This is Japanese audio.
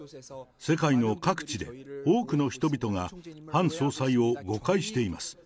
世界の各地で多くの人々がハン総裁を誤解しています。